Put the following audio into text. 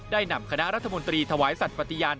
นำคณะรัฐมนตรีถวายสัตว์ปฏิญาณ